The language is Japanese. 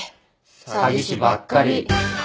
詐欺師ばっかり。